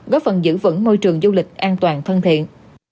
góp phần giữ vững môi trường du lịch an toàn thân thiện